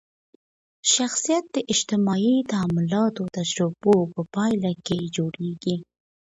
شخصیت د اجتماعي تعاملاتي تجربو په پایله کي جوړېږي.